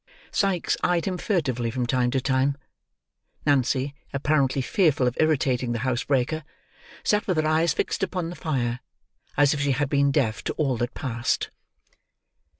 Sikes eyed him furtively from time to time. Nancy, apparently fearful of irritating the housebreaker, sat with her eyes fixed upon the fire, as if she had been deaf to all that passed.